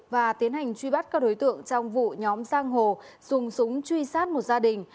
và tiến hành truy bắt các đối tượng trong vụ nhóm giang hồ dùng súng truy sát một gia đình